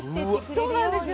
そうなんですよ。